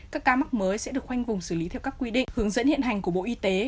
các ca mắc mới sẽ được khoanh vùng xử lý theo các quy định hướng dẫn hiện hành của bộ y tế